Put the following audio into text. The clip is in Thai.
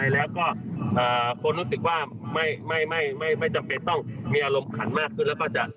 แล้วก็จะลดระดับลงแทน